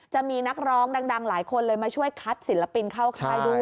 จะมีนักร้องดังหลายคนเลยมาช่วยคัดศิลปินเข้าค่ายด้วย